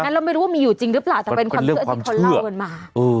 เราไม่รู้ว่ามีอยู่จริงหรือเปล่าแต่อาจจะเป็นเรื่องความเชื่อ